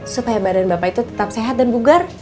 supaya badan bapak itu tetap sehat dan bugar